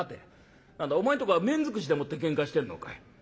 何だお前んとこは面づくしでもってけんかしてんのかい。